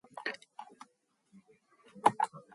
Ойрмогхон байрлах моднууд дээр том том аалзнууд сууж байна.